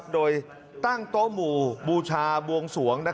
โดยตั้งโต๊ะหมู่บูชาบวงสวง